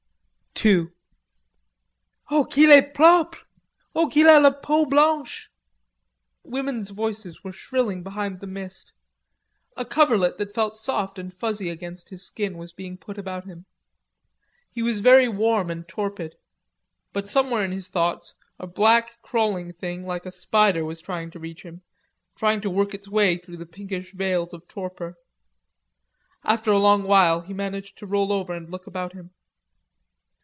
II "Oh, qu'il est propre! Oh, qu'il a la peau blanche!" Women's voices were shrilling behind the mist. A coverlet that felt soft and fuzzy against his skin was being put about him. He was very warm and torpid. But somewhere in his thoughts a black crawling thing like a spider was trying to reach him, trying to work its way through the pinkish veils of torpor. After a long while he managed to roll over, and looked about him.